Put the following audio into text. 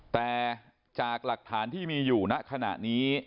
แต่จากหลักฐานที่มีอยู่ณขณะนี้